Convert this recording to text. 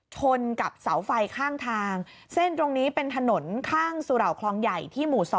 ชนกับเสาไฟข้างทางเส้นตรงนี้เป็นถนนข้างสุเหล่าคลองใหญ่ที่หมู่๒